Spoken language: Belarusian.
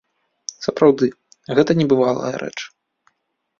Сапраўды, гэта небывалая рэч!